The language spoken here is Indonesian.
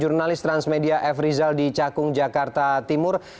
jurnalis transmedia f rizal di cakung jakarta timur